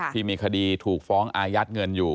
ที่มีคดีถูกฟ้องอายัดเงินอยู่